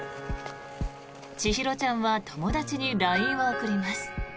千尋ちゃんは友達にＬＩＮＥを送ります。